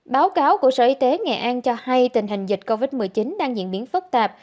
báo cáo của sở y tế nghệ an cho hay tình hình dịch covid một mươi chín đang diễn biến phức tạp